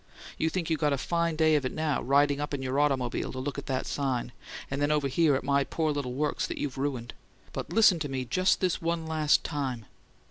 You think you got a fine day of it now, riding up in your automobile to look at that sign and then over here at my poor little works that you've ruined. But listen to me just this one last time!"